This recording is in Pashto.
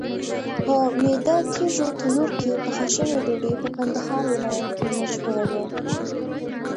په میده تېږو تنور کې پخه شوې ډوډۍ په کندهار ولایت کې مشهوره ده.